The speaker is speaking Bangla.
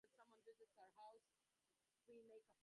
কারো পরামর্শেই আমি তাদের ডেকেছি।